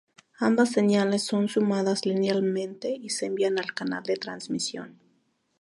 Ambas señales son sumadas linealmente y se envían al canal de transmisión.